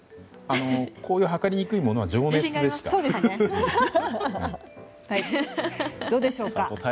こういう図りにくいものは情熱でした。